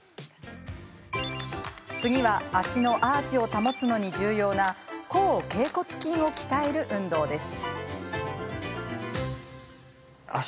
次は、足のアーチを保つのに重要な後けい骨筋を鍛える運動です。